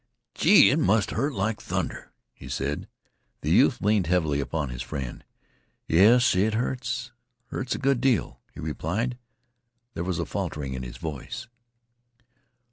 "Gee, it must hurt like thunder!" he said. The youth leaned heavily upon his friend. "Yes, it hurts hurts a good deal," he replied. There was a faltering in his voice.